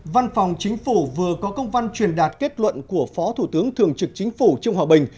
văn phòng chính phủ vừa có công văn truyền đạt kết luận của phó thủ tướng thường trực chính phủ trương hòa bình